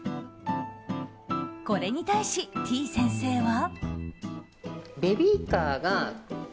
これに対し、てぃ先生は。